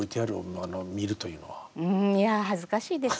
うんいや恥ずかしいです